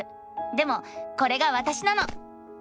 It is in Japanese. でもこれがわたしなの！